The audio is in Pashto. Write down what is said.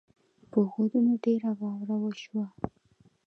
په غرونو ډېره واوره وشوه